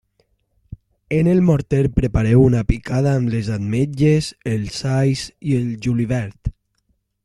En el morter prepareu una picada amb les ametlles, els alls i el julivert.